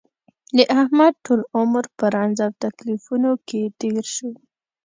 د احمد ټول عمر په رنځ او تکلیفونو کې تېر شو.